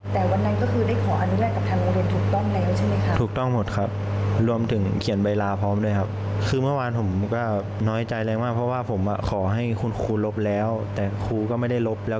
แล้วตอนนี้คุณครูก็ได้ทำความเข้าใจด้วยแล้ว